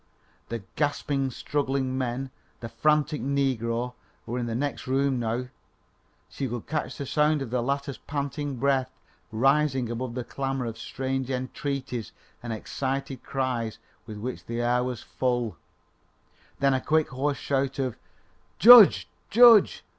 The gasping, struggling men, the frantic negro, were in the next room now she could catch the sound of the latter's panting breath rising above the clamour of strange entreaties and excited cries with which the air was full; then a quick, hoarse shout of "Judge! Judge!"